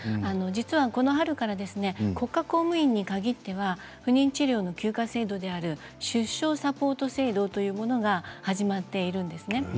実は、この春から国家公務員に限っては不妊治療の休暇制度である出生サポート制度というのが始まっているんですね。